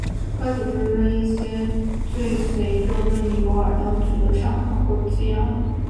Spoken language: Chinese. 该组织中一些最随着被尼泊尔当局杀害或羁押了。